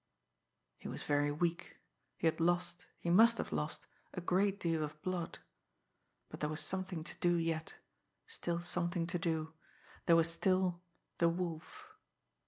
He was very weak; he had lost, he must have lost, a great deal of blood but there was something to do yet still something to do. There was still the Wolf!